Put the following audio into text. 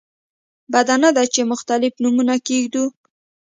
بده نه ده چې مختلف نومونه کېږدو.